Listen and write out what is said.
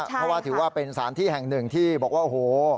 เพราะว่าถือว่าเป็นสารที่แห่งหนึ่งที่บอกว่าโอ้โห